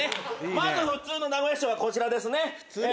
まず普通の名古屋市長がこちらですね